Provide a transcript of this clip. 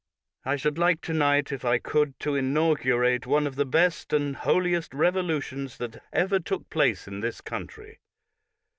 I should like to night, if I could, to inaugurate one of the best and holiest revolutions that ever took place in this country.